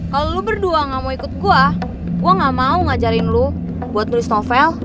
kalau lu berdua gak mau ikut gua gue gak mau ngajarin lu buat nulis novel